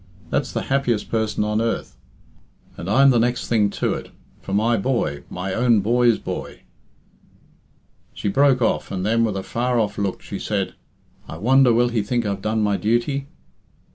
That's the happiest person on earth. And I'm the next thing to it, for my boy my own boy's boy " She broke off, and then, with a far off look, she said, "I wonder will he think I've done my duty!"